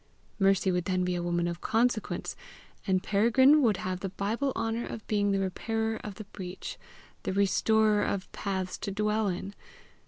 Mercy would then be a woman of consequence, and Peregrine would have the Bible honour of being the repairer of the breach, the restorer of paths to dwell in!